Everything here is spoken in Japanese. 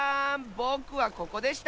ぼくはここでした。